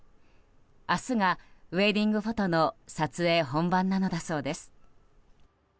明日がウェディングフォトの撮影本番なのだそうです。